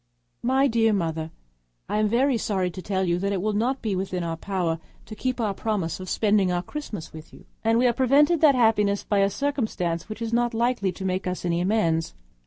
My dear Mother,—I am very sorry to tell you that it will not be in our power to keep our promise of spending our Christmas with you; and we are prevented that happiness by a circumstance which is not likely to make us any amends.